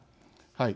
はい。